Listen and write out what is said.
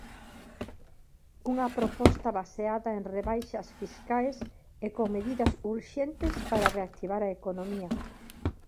Unha proposta baseada en rebaixas fiscais e con medidas urxentes para reactivar a economía.